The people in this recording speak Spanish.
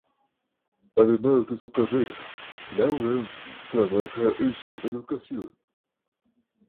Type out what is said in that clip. Además de su carrera, Lawrence trabaja en su educación.